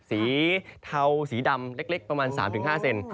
สีเทาสีดำเล็กประมาณ๓๕เซน